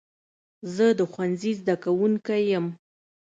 زه د ښوونځي زده کوونکی یم.